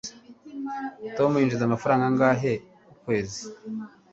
tom yinjiza amafaranga angahe ukwezi